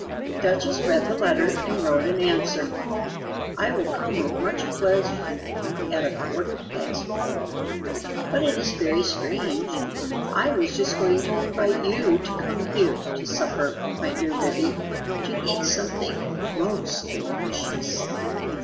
Duchess read the letter and wrote an answer: "I will come with much pleasure at a quarter past four. But it is very strange. I was just going to invite you to come here, to supper, my dear Ribby, to eat something MOST DELICIOUS."